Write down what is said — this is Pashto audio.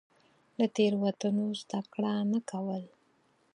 له تېروتنو زده کړه نه کول.